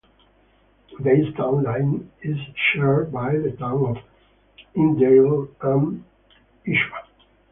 The east town line is shared by the towns of Hinsdale and Ischua.